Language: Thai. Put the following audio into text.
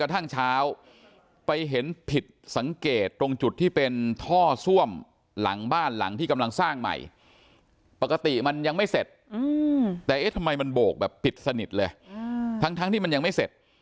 แต่ทำไมมันโบกปิดสนิทเลยทั้งที่มันยังไม่เสร็จ